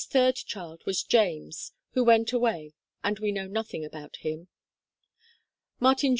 's third child was James (Chart II), who went away, and we know nothing about him. Martin Jr.'